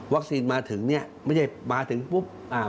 วัคซีนมาถึงนี่ไม่ใช่มาถึงปุ๊บมาส่งหน้า